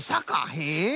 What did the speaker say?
へえ。